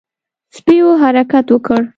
سپيو حرکت وکړ.